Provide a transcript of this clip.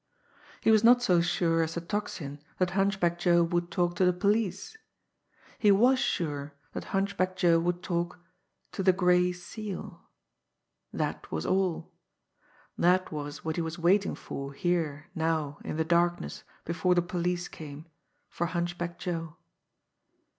He was not so sure as the Tocsin that Hunchback Joe would talk to the police; he was sure that Hunchback Joe would talk to the Gray Seal. That was all. That was what he was waiting for here now in the darkness before the police came for Hunchback Joe.